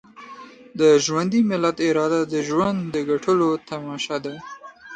د ژوندي ملت اراده د ژوند د ګټلو تماشه ده.